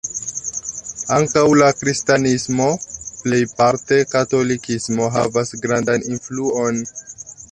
Ankaŭ la kristanismo (plejparte katolikismo) havas grandan influon.